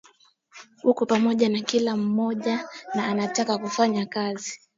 uko pamoja na kila mmoja na anataka kufanya kazi